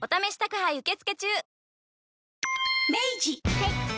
はい。